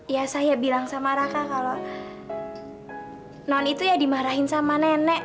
ya saya bilang sama raka kalau non itu ya dimarahin sama nenek